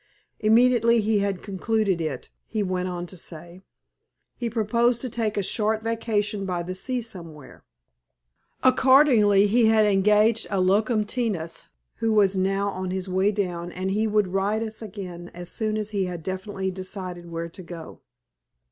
Immediately he had concluded it, he went on to say, he proposed to take a short vacation by the sea somewhere. Accordingly he had engaged a locum tenens, who was now on his way down, and he would write us again as soon as he had definitely decided where to go.